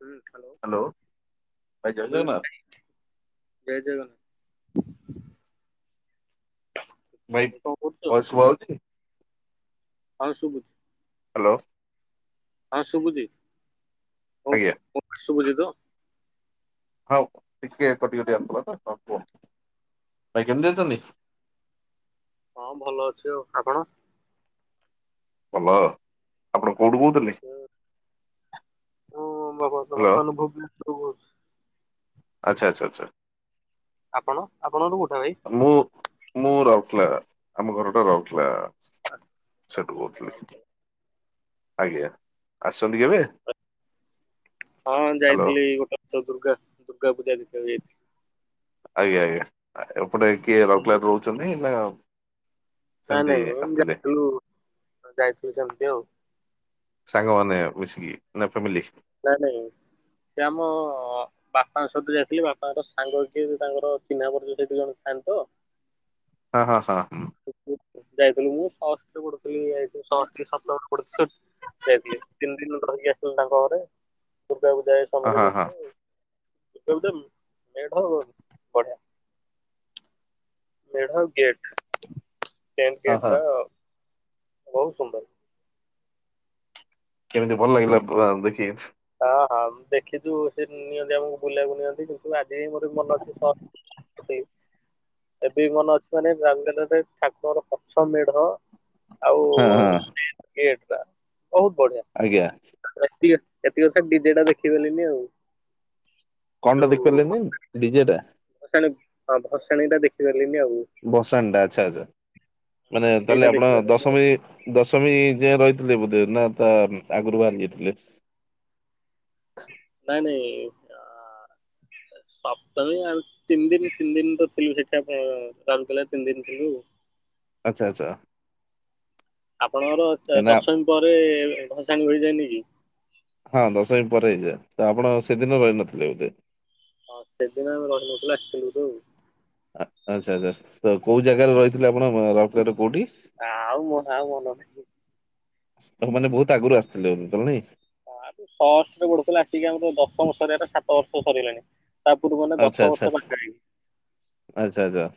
ହ ହ୍ୟାଲୋ ଭାଇ ଜୟ ଜଗନ୍ନାଥ ଜୟ ଜଗନ୍ନାଥ। ଏ ଭାଇ କଣ କରୁଛ? ଅସ୍ୁଭାବଛି ହଁ ଶୁଭୁଛି। ହ୍ୟାଲୋ। ହଁ ଶୁଭୁଚି। ମୋ ଆଜ୍ଞା କଥା ଶୁଭୁଚି ତ? ହଉ ଟିକେ କଟିକଟି ଆସୁଥିଲା ତ ହୋଉ କୁହ। ଭାଇ କେମିତି ଅଛନ୍ତି? ହଁ ଭଲ ଅଛି ଆଉ। ଆପଣ? ଭଲ ଆପଣ କୋଉଠୁ କହୁଥିଲେ? ହୁ ମୁଁ ମ ବ ହ୍ୟାଲୋ ବର୍ତ୍ତମାନ ଭୁବନେଶ୍ୱରରୁ କହୁଚି। ଆଛା ଆଛ ଆଛା। ଆପଣ ଆପଣଙ୍କଠୁ କୋଉଠା ଭାଇ? ମୁଁ ମୁଁ ରାଉରକେଲା ଆମ ଘର ଟା ରାଉରକେଲା। ଆଚ୍ଛା ସେଠୁ ଆଚ୍ଛା କହୁଥିଲି। ରାଉରକେଲା। ଆଜ୍ଞା ଆସିଛନ୍ତି କେବେ? ହଁ ହ୍ୟାଲୋ ଯାଇଥିଲି ଗୋଟେ ବର୍ଷ ଦୁର୍ଗା ଦୁର୍ଗା ପୂଜା ଦେଖିବାକୁ ଯାଇଥିଲି। ଆଜ୍ଞା ଆଜ୍ଞା ଏପଟେ କିଏ ରାଉରକେଲାରେ ରହୁଛନ୍ତି ନା ନାଇଁ ସେମିତି ନାଇଁ ଏ ଆସିଥିଲେ ଯାଇଥିଲୁ ଯାଇଥିଲୁ ସେମିତି ଆଉ। ସାଙ୍ଗମାନେ ମିସିକି ନା ଫାମିଲ? ନାଇଁ ନାଇଁ ସେ ଆମ ବାପାଙ୍କ ସହିତ ଯାଇଥିଲି ବାପାଙ୍କର ସାଙ୍ଗ କିଏ ତାଙ୍କର ଚିହ୍ନା ପରିଚୟ ସେଇଠି ଜଣେ ଥାଆନ୍ତି ତ। ହଁ ହଁ ହଁ ହଁ। ଯାଇଥିଲୁ ମୁଁ ସହ ପଢ଼ୁଥିଲି ଯାଇଥିଲି ଷଷ୍ଠ ସପ୍ତମରେ ଯାଇଥିଲି ତିନି ଦିନ ରହିକି ଆସିଥିଲି ତାଙ୍କ ଘରେ। ଦୁର୍ଗା ପୂଜା ଏଇ ହଁ ସମୟରେ ହଁ ହଁ ଯାଇଥିଲୁ ଦୁର୍ଗା ପୂଜା ମେଢ଼ ବଢିଆ। ମେଢ ଆଉ ଗେଟ୍। [unintelligible] ମେନ୍ ହଁ ଗେଟ ହଁ ଟା ବହୁତ ସୁନ୍ଦର। କେମିତି ଭଲ ଲାଗିଲା ପୁରା ଦେଖିକୀ? ହଁ ହଁ ଦେଖିଛୁ ସେ ନିଅନ୍ତି ଆମକୁ ବୁଲିବାକୁ ନିଅନ୍ତି ତ। ଆଜି ବି ମୋର ମନ ଅଛି ସ ଏବେ ଏବେ ବି ମନେ ଅଛି ମାନେ ରାଉରକେଲାରେ ଠାକୁରଙ୍କର ପଛ ମେଢ ଆଉ ହଁ ହଁ ମେନ୍ ଗେଟଟା ବହୁତ ବଢିଆ। ଆଜ୍ଞା। ଏତି ଏତିକ କଥା ଡିଜେଟା ଦେଖିପାରିଲିିନି ଆଉ। କଣ ଟା ଯୋଉ ଦେଖି ପାରିଲେନି ଡିଜେ ଟା? ଭସାଣି ହଁ ଭସାଣି ଟା ଦେଖିପାରିଲିନି ଆଉ। ଭସାଣିଟା ଆଛା ଆଛା ମାନେ ସେଇଟା ତାହେଲେ ଆପଣ ଦେଖିପାରିଲିନି ଆଉ ଦଶମୀ ଦଶମୀ ଯାଏଁ ରହିଥିଲେ ବୋଧେ ନା ତା ଆଗରୁ ବାହାରି ଯାଇଥିଲେ। ନାଇଁ ନାଇଁ ସପ୍ତମୀ ଆ ତିନି ଦିନ ତିନି ଦିନ ତ ଥିଲୁ ସେଠା ରାନ୍ଧୁ ତିନି ଦିନ ଥିଲୁ। ଆଚ୍ଛା ଆଚ୍ଛା। ଆପଣଙ୍କର ଦ କାହିଁକି ନା ଦଶମୀ ପରେ ଭସାଣି ହୋଇଯାଇନି କି। ହଁ ଦଶମୀ ପରେ ହେଇଯାଏ ତ ଆପଣ ସେଦିନ ରହିନଥିଲେ ବୋଧେ। ହଁ ସେଦିନ ଆମେ ରହିନଥିଲୁ ଆସିଥିଲୁ ହେଠୁ। ଆ ଆଚ୍ଛା ଆଚ୍ଛା ତ କୋଉ ଜାଗାରେ ରହିଥିଲେ ଆପଣ ରାଉରକେଲାରେ କୋଉଠି? ଆଉ ମନ ଆଉ ମନ ନାହିଁ। ଆଉ ମାନେ ବହୁତ ଆଗରୁ ଆସିଥିଲେ ବୋଧେ ତାହାଲେ ନାଇଁ? ହଁ ଆ ଷଷ୍ଟରେ ବଢୁଥିଲା ଆସିକି ଆମର ଦଶମ ସରିବା ଟା ସାତ ବର୍ଷ ସରିଲାଣି ତା ପୂର୍ ମାନେ ଆଚ୍ଛା ଦଶ ଆଚ୍ଛା ବର୍ଷ ଆଚ୍ଛା ପାଖା ପାଖି ଆଚ୍ଛା ଆଚ୍ଛା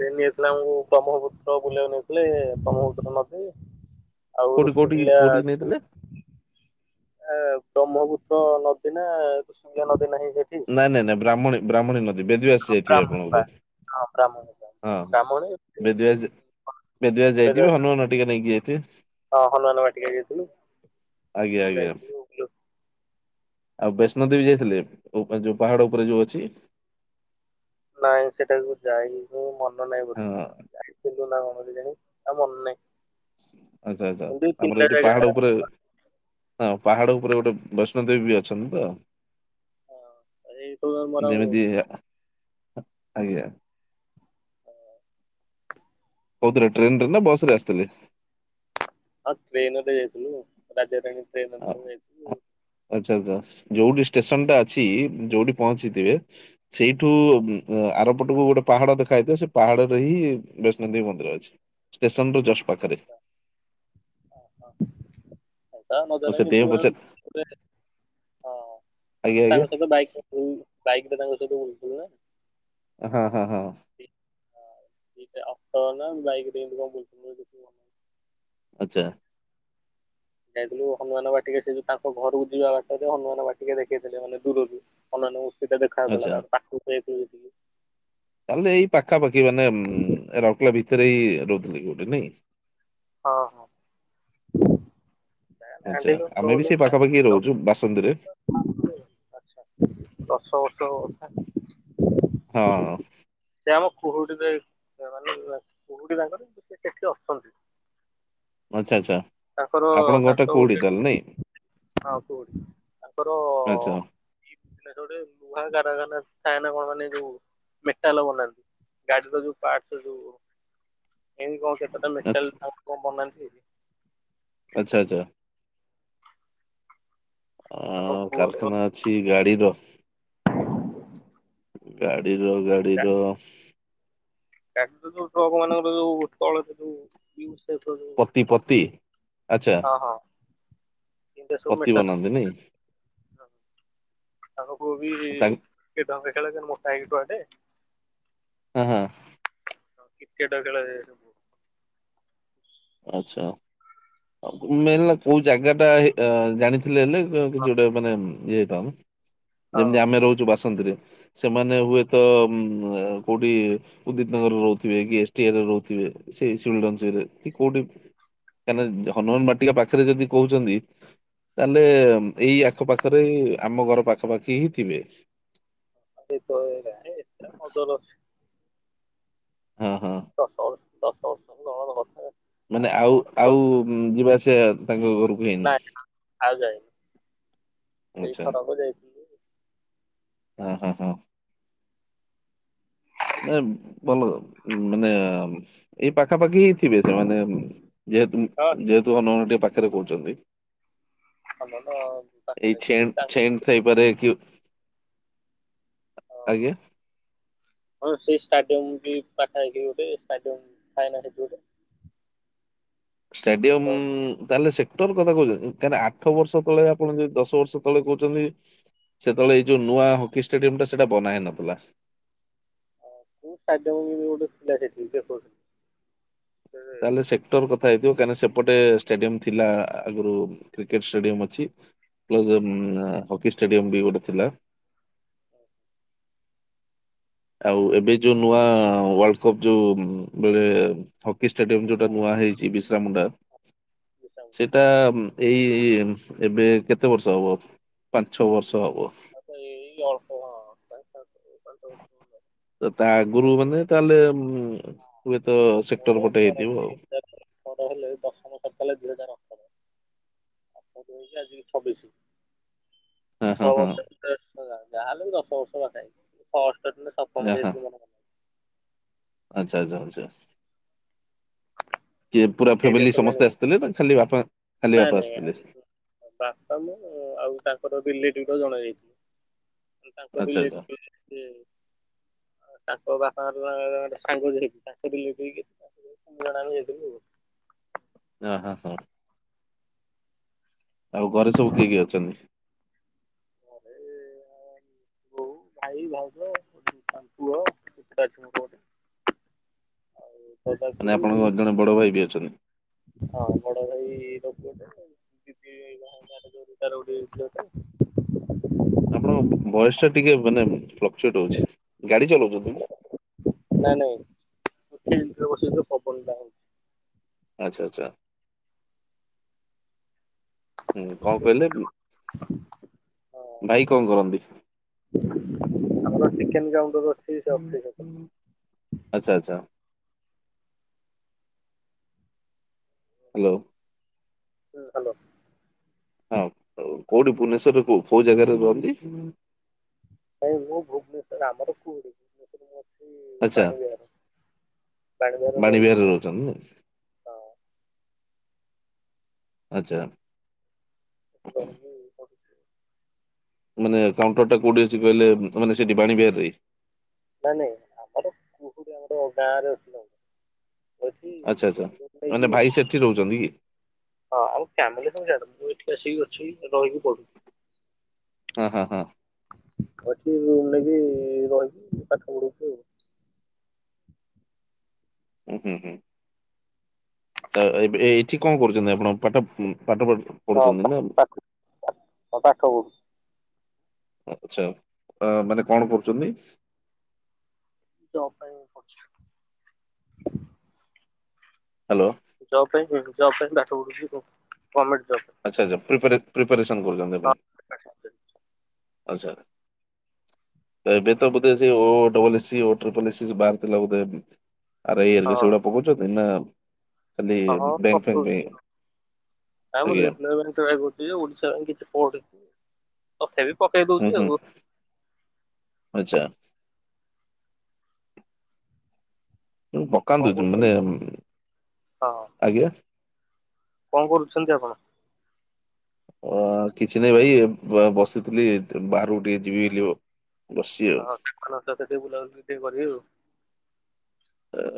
ସେ ନେଇଥିଲା ଆମକୁ ବ୍ରହ୍ମପୁତ୍ର ବୁଲିବାକୁ ନେଇଥିଲେି ବ୍ରହ୍ମପୁତ୍ର ନଦୀ ଆଉ ରୁଷିକୁଲ୍ୟା ଦେଥିଲେ ଏ ବ୍ରହ୍ମପୁତ୍ର ନଦୀ ନା କୁସୁଙ୍ଗିଆ ନଦୀ ନାହିଁ ସେଠି ନାଇଁ ନାଇଁ ବ୍ରାହ୍ମଣୀ ବ୍ରାହ୍ମଣୀ, ନଦୀ ବେଦୀ ବାସ୍ ଯାଇଥିବେ ଆପଣ ବଧେ ବ୍ରାହ୍ମଣୀ ହଁ ବେଦୁଆ ବ୍ରାହ୍ମଣୀ ବେଦୁଆସ ଏବେ ଯାଇଥିବେ ଜଷ୍ଟ ହନୁମାନ ଟିକା ନେଇକି ଯାଇଥିବେ ହଁ ହନୁମାନ ବାଟିକା ଯାଇଥିଲୁ ଆଜ୍ଞା ସେଠୁ ଆଜ୍ଞା ଯାଇଥିଲୁ ବୁଲୁ ଆଉ ବୈଷ୍ଣୋ ଦେବୀ ଯାଇଥିଲେ ଯୋଉ ପାହାଡ ଉପରେ ଯୋଉ ଅଛି ନାଇଁ ସେଟାକୁ ଯାଇ ମନ ନାଇଁ ହଁ ବୋଧେ ଯାଇଥିଲୁ ନା କଣ ଜାଣି ଆ ମନ ନାାଇଁ ଆଚ୍ଛା ଆଚ୍ଛା ଆମର ଏଠି ଜାଗା ପାହାଡ ହଁ ଉପରେ ହଁ ପାହାଡ ଉପରେ ଗୋଟେ ବୈଷ୍ଣ ଦେବୀ ବି ଅଛନ୍ତି ତ। ଏଇ ସବୁ ମୋର ଯେମିତି ମନେ। ଆଜ୍ଞା କୋଉଥିରେ ଟ୍ରେନରେ ନା ବସରେ ଆସିଥିଲେ? ହଁ ଟ୍ରେନଧେ ଯାଇଥିଲୁ ରାଜାରାଣୀ ଟ୍ରେନ ଆ- ଯାଇଥିଲୁ ଆଚ୍ଛା ଆଚ୍ଛା ଯୋଉଠି ଷ୍ଟେସନ ଟା ଅଛି ଯୋଉଠି ପହଞ୍ଚିଥିବେ ସେଇଠୁ ଆରପଟକୁ ଗୋଟେ ପାହାଡ ଦେଖାାଯାଇିବ ସେ ପାହାଡରେ ହିଁ ବୈଷ୍ଣୋ ଦେବୀ ମନ୍ଦିର ଅଛି ଷ୍ଟେସନ ରୁ ଜଷ୍ଟ୍ ପାଖରେ ହ ହଁ ଆା ନ ମୁଁ ଜନ ସେଥିପାଇଁ ଗିନ୍ତୁ ପଚାର [unintelligible] ହଁ ଆଜ୍ଞା ଆମ ଆଜ୍ଞା ତାଙ୍କ ସହିତ ବାଇକ୍ ବାଇକରେ ତାଙ୍କ ସହିତ ବୁଲୁଥିଲୁ ନା ହଁ ହଁ ହଁ ସେଇଟା ଅକ୍ଟର ନା ବାଇକତି କଣ ବୁ [unintelligible] ଆଚ୍ଛା ଯାଇଥିଲୁ ହନୁମାନ ବାଟିକା ସେଇ ଯୋଉ ତାଙ୍କ ଘରକୁ ଯିବା ବାଟରେ ହନୁମାନ ବାଟିକା ଦେଖେଇଥିଲେ ମାନେ ଦୂରରୁ। ହନୁମାନ ମୂର୍ତ୍ତିଟା ଆଚ୍ଛା। ଦେଖାଯାଉଥିଲା ତାପରେ ପାଖକୁ ଯାଇକି ଦେଖିଲୁ ତାହଲେ ଏଇ ପାଖାପାଖି ମାନେ ଉ ରଉରକେଲା ଭିତରେ ହି ରହୁଥିଲେ କି ଗୋଟେ ନାଇଁ। ହଁ ହଁ ଆଚ୍ଛା ଆଣ୍ଠେଇକି ଆମେ ବି ନଉନି ସେ ପାଖାପାଖି ରହୁଛୁ ବାସନ୍ତୀରେ ଆଚ୍ଛା ଦଶ ବର୍ଷ କଥା ହଁ ସେ ଆମ କୁହୁଟିରେ ମାନେ କୁହୁଟି ତାଙ୍କର କିନ୍ତୁ ସେ ସେଠି ଅଛନ୍ତି। ଆଚ୍ଛା ଆଚ୍ଛା ତାଙ୍କର ଆପଣଙ୍କ ଘରଟା ତାଙ୍କର କୋଉଠି ଗୋଟେ ତାହେଲେ ନାଇଁ? ହଁ କୁହୁଟି ତାଙ୍କର ଆଚ୍ଛା ଏଇ ଗୋଟେ ଲୁହା କାରଖାନା ଥାଏ ନା କଣ ମାନେ ଯୋଉ ମେଟାଲ ବନାନ୍ତି। ଗାଡିର ଯୋଉ ପାର୍ଟ୍ସ ଯୋଉ ଏମିତି କଣ କେତେଟା ଆଚ୍ଛା ମେଟାଲ କଣ ବନାନ୍ତି ଆଚ୍ଛା ଆଚ୍ଛା ଅ ତାଙ୍କ ପୁଅର କାରଖାନା ଅଛି ଗାଡିର ଗାଡିର ଗାଡିର ଗାଡ଼ିର ଯୋଉ ଟ୍ରକ ମାନଙ୍କର ଯୋଉ [unintelligible] ୟୁ ସେଫର ଯୋଉ। ପତି ପତି ଆଚ୍ଛା ହଁ ହଁ ପତି ବନାନ୍ତି ନାଇଁ [inaudible] [inaudible] ମୋଟା ତାଙ୍କ ହେଇକି ଲୁହାଟେ ହୁଁ ହୁଁ। ହଁ କ୍ରିକେଟ ଖେଳ ସବୁ ଆଚ୍ଛା ମେନ ହେଲା କୋଉ ଜାଗା ଟା ଜାଣିଥିଲେ ହେଲେ କିଛି ଗୋଟେ ମାନେ ଇଏ ହେଇଥାନ ଯେମିତି ହଁ ଆମେ ରହୁଛୁ ବାସନ୍ତରେ ସେମାନେ ହୁଏତ ଉ କୋଉଠି ଉଦିତ ନଗରରେ ରହୁଥିବେ କି ଏସ୍ ଟି ଏ ରେ ରହୁଥିବେ ସେଇ କି କୋଉଠି କାହିଁକିନା ହନୁମାନ ବାଟିକା ପାଖରେ ଯଦି କହୁଛନ୍ତି ତାହେଲେ ଏଇ ଆଖପାଖରେ ଆମ ଘର ପାଖପାଖି ହିଁ ଥିବେ। [unintelligible] ହଁ ହଁ। ଦଶ ବର୍ଷ ଦଶ ବର୍ଷ ତଳର କଥା ମାନେ ଆଉ ଆଉ ଯିବା ଆସିବା ତାଙ୍କ ଘରକୁ ହେଇନି ନାଇଁ ଆଉ ଯାଇନି ସେଇ ଆଚ୍ଛା ଥରକ ଯାଇଛି‌। ଓଁ ହଁ ହଁ। ଭଲ ମାନେ ଏଇ ପାଖାପାଖି ଥିବେ ସେମାନେ ଯେହେତୁ ଯେହେତୁ ହନୁମାନ ବାଟିକା ପାଖରେ କହୁଛନ୍ତି [unintelligible] ସେଇପାରେ କି ହଁ ଆଜ୍ଞା? ହଁ ସେ ଷ୍ଟାଡିୟମ ବି ପାଖାପାଖି ଗୋଟେ ଷ୍ଟାଡିୟମ ଥାଏ ନା ସେଇଠି ଗୋଟେ ଷ୍ଟାଡିୟମ୍ ଖେଳ ତାହଲେ ସେ ଟ କଥା କହୁଛନ୍ତି କାହିଁକି ଆଠ ବର୍ଷ ତଳେ ଆପଣ ଯଦି ଦଶ ବର୍ଷ ତଳେ କହୁଛନ୍ତି ସେତେବେଳେ ଏଇ ଯୋଉ ନୂଆ ହକିସ ଷ୍ଟାଡିୟମ ଟା ସେଇଟା ବନାହେଇ ନଥିଲା। ମୁଁ ସାଜମୁଙ୍ଗୀ ବି ଗୋଟେ ଥିଲା ସେଠିକି ଦେଖଉଥିଲି। ସେ- ତାହେଲେ ସେକ୍ଟର କଥା ହେଇଥିବ କାହିଁକି ସେପଟେ ଷ୍ଟାଡିୟମ ଥିଲା ଆଗରୁ କ୍ରିକେଟ ଷ୍ଟାଡିୟମ ଅଛି ପ୍ଲସ୍ ହକି ଷ୍ଟାଡିୟମ ବି ଗୋଟେ ଥିଲା ଆଉ ଏବେ ଯୋଉ ନୂଆ ୱାର୍ଲଡ କପ୍ ଯୋଉ ବେଳେ ହକି ଷ୍ଟାଡିୟମ ଯୋଉଟା ନୂଆ ହଁ ହେଇଛି ବିର୍ସାମୁଣ୍ଡା ବିଶାଖା ସେଇଟା ଏଇ ଏବେ କେତେ ବର୍ଷ ହବ ପାଞ୍ଚ ଛ ବର୍ଷ ହବ। ଆଉ ଏଇ ଅଳ୍ପ [inaudible] ତ ତା ଆଗୁରୁ ମାନେ ମୋର ତାହେଲେ ହୁଏତ ସେକ୍ଟର ହୁଏତ ପଟେ ହେଇଥିବ ଆଉ ପର ହେଲେ ଦଶମ ସପ୍କାହ ଦୁଇ ହଜାର ଅଠର ଆଉପ ହେଇଛି ଆଜିକି ଛବିଶି ହଁ ହଁ [unintelligible] ହଁ ଆଶ ବର୍ଷ ଯାହାହେଲେ ବି ଦଶ ବର୍ଷ ପାଖା ହେଇ ଷଷ୍ଟ ଆ ସପ୍ମ ହଁ ଦେଇଥିଲି ମେ ଆଚ୍ଛା ଆଚ୍ଛା କିଏ ଅଛି। ପୁରା ଖିଆ ପିଆ ଫ୍ୟାମିଲି ସରିଲାଣି ସମସ୍ତେ ଭାଇ? ଆସିଥିଲେ ନା ଖାଲି ବାପା ଖାଲି ନାଇଁ ବାପା ନାଇଁ ଆସିଥିଲେ ବାପା ମୁଁ ଆଉ ତାଙ୍କର ରିଲେଟିଭ ଟ ଜଣେ ଯାଇଥିଲେ। ତାଙ୍କ ଆଚ୍ଛା ଆଚ୍ଛା ରିଲେଟିଭ ଲ [inaudible] ତାଙ୍କ ବାପାଙ୍କର ସାଙ୍ଗ ଯାଇଥିଲା ତାଙ୍କ ରିଲେଟିଭ ଜଣେ ଆମେ ଯାଇଥିଲୁ ଆଉ ଓ ହଁ ହଁ। ଆଉ ଘରେ ସବୁ କିଏ କିଏ ଅଛନ୍ତି? ଘରେ [inaudible] ବୋଉ ଭାଇ ଭାଉଜ ଆଉ ପୁଅ [inaudible] ଆଉ ଦଦା, ମାନେ ଖୁଡି ଆପଣଙ୍କ ଅ ଜଣେ ବଡ ଭାଇ ବି ଅଛନ୍ତି। ହଁ ବଡ଼ ଭାଇ ଲୋକ ଗଟେ ଦିଦି ଦେଇ ବାହା ହେଇ ସାରିଲା ପରେ ତାର ଗୋଟେ ଝିଅଟେ। ଆପଣଙ୍କ ଭଏସ ଟା ଟିକେ ମାନେ ଫ୍ଲକ୍ଚୁଏଟ ହଉଛି ଗାଡ଼ି ଚଲାଉଛନ୍ତି କି? ନାଇଁ ନାଇଁ ଫିଲ୍ଡ ରେ ବସିଛି ତ ପବନ ଟା ହୋଉଛି। ଆଚ୍ଛା ଆଚ୍ଛା। ହୁଁ କଣ କହିଲେ ହଁ ଭାଇ କଣ କରନ୍ତି? ଆମର ଚିକେନ କାଉଣ୍ଟର ଅଛି। ସେ ଅଫିସ ଉପରେ। ଆଚ୍ଛା ଆଚ୍ଛା। ହ୍ୟାଲୋ। ହୁଁ ହ୍ୟାଲୋ। ହଁ କୋଉଠି ଭୁବନେଶ୍ୱରରେ କୋ କୋଉ ଜାଗାରେ ରୁହନ୍ତି? ଭାଇଁ ମୁଁ ଭୂବନେଶ୍ଵର ଆମର ପୁରୀ ଭୁବନେଶ୍ୱରରେ ମୁଁ ଅଛି। ଆଚ୍ଛା ବାଣି ବିହାର ବାଣି ବିହାର ଧରିକି ପଡୁଛି। ଉଁ ମସ୍ ଆଚ୍ଛା। [unintelligible] ମାନେ କାଉଣ୍ଟରଟା କଉଠି ଅଛି କହିଲେ ମାନେ ସେଠି ବାଣୀ ବିହାର ରେ। ନାଇ ନାଇଁ ଆମର କୁହୁଡି ଆମର ଗାଁ ରେ ଅଛି। ଆଚ୍ଛା ଆଛା ଜଙ୍ଗଲ ଏଠି ରୁମ୍ ନେଇକି ମାନେ ଭାଇ ସେଠି ରହୁଛନ୍ତି କି? ହଁ ଆମ ଫ୍ୟାମିଲି ସବୁ ସେଆଡ଼େ ମୁଁ ଏଠି ଆସିକି ଅଛି ରହିକି ପଢ଼ୁଛି। ହୁଁ ହୁଁ ହୁଁ। ଆଉ ଏଠି ରୁମ ନେଇେକି ରହକି ପାଠ ପଢୁଛି ଆଉ। ଉଁ ହୁଁ ହୁଁ ଏବେ ଏଇଠି କଣ କରୁଛନ୍ତି ଆପଣ? ପାଠ ପାଠ ପ ହଁ ପଢୁଛନ୍ତି ପା ନା? ପାଠ ହଁ ପାଠ ପଢୁ ଆଛା ଅ ମାନେ କଣ କରୁଛନ୍ତି? ଜବ୍ ପାଇଁ ପ ହ୍ୟାଲୋ। ଜବ ପାଇଁ ଜବ ପାଇଁ ପାଠ ପଢୁଛି ଗମେଣ୍ଟ ଜବ ପାଇଁ। ଆଚ୍ଛା ଆଚ୍ଛା ପ୍ରିପାର ପ୍ରିପାରସନ୍ କରୁଛନ୍ତି ଆପଣ ଗଭର୍ଣ୍ଣମେଣ୍ଟ ଜବ୍ ପାଇଁ ଆଚ୍ଛା। ଏବେ ତ ବୋଧ ସେ O double S C O triple S C ବାହାରିଥିଲା ବୋଧେ। ଆର ଆଇ ହାରିକା ହଁ। ସେଗୁଡା ପିଟୁଛନ୍ତି ନା ଖାଲି ହଁ ହଁ ବ୍ୟାଙ୍କ ଫଙ୍କ ପାଇଁ ଆମର ଆଜ୍ଞା [unintelligible] ଓଡିଶା ପାଇଁ କିଛି ପଢିନି ବି ପକେଇ ହୁଁ ଦଉଛି ହୁଁ ଆଉ ଆଚ୍ଛା। କଣ ପକାନ୍ତୁ ମାନେ କରୁଛନ୍ତି ହଁ ଆଜ୍ଞା। କଣ କରୁଛନ୍ତି ଆପଣ? ଅ କିଛି ନହିଁ ଭାଇ ବସିଥିଲି ବାହାରକୁ ଟିକେ ଯିବି ଲି ଆଉ। ବସି ଆଉ। ଖଲ ଟିକେ ବୁଲାଉଛି ଟିକେ କରିବି ଆଉ।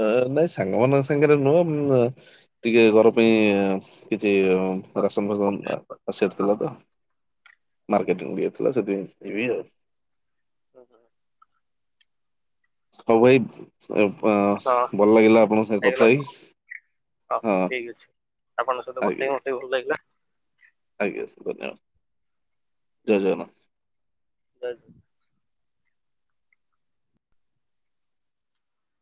ଓହୋ ନାଇଁ ସାଙ୍ଗମାନଙ୍କ ସାଙ୍ଗରେ ନୁହଁ ଟିକେ ଘର ପାଇଁ କିଛି ହଁ ରାସନ ଭସନ ଆସିଅର୍ ହଁ ଥିଲା ତ ମାର୍କେଟି [unintelligible] ସେଥି ପାଇଁ ଯିବି ଆଉ। ଓହୋ। ହଉ ଭାଇ ପ ହଁ, ଭଲ ଲାଗିଲା ଆପଣଙ୍କ ସାଙ୍ଗେ ହେଇଗଲା କଥା ତ ହେଇ। ହଁ ହଉ ଠିକ ଅଛି ଆପଣଙ୍କ ସହିତ ଆଜ୍ଞା କଥାହେଇକି ମତେ ବି ଭଲ ଲାଗିଲା। ଆଜ୍ଞା ଧନ୍ୟବାଦ ଜୟ ଜଗନ୍ନାଥ। ସେ।